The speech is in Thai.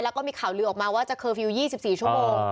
แล้วก็มีข่าวลือออกมาว่าจะเคอร์ฟิลล์๒๔ชั่วโมง